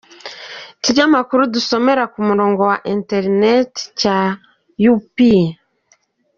Ikinyamakuru dusomera ku murongo wa internet cya upi.